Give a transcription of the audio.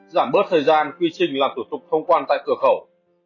giảm bớt thời gian quy trình làm tổ chức thông quan tại cửa khẩu